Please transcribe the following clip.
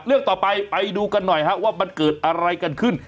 เรื่องต่อไปไปดูกันหน่อยว่ามันเกิดอะไรกันขึ้น